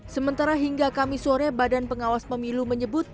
sementara hingga kamis sore badan pengawas pemilu menyebut